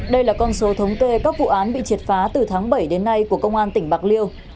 đây là con số thống kê các vụ án bị triệt phá từ tháng bảy đến nay của công an tỉnh bạc liêu